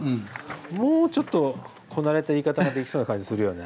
もうちょっとこなれた言い方ができそうな感じするよね。